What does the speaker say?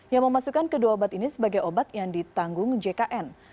yang memasukkan kedua obat ini sebagai obat yang ditanggung jkn